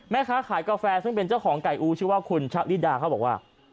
แม่ค้าขายกาแฟซึ่งเป็นเจ้าของไก่อูชื่อว่าคุณชะลิดาเขาบอกว่า